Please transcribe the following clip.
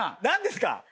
何ですか！